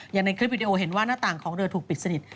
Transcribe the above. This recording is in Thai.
ในคลิปวิดีโอเห็นว่าหน้าต่างของเรือถูกปิดสนิท